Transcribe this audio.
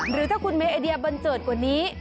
หรือถ้าคุณมีไอเดียบันเจิดกว่านี้